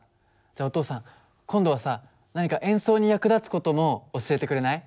じゃお父さん今度はさ何か演奏に役立つ事も教えてくれない？